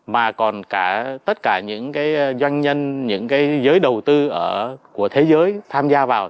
mà còn tất cả những doanh nhân những giới đầu tư của thế giới tham gia vào